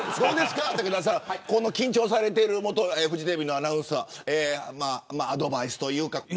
緊張されている元フジテレビのアナウンサーアドバイスというか。